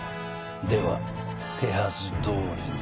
では手はずどおりに。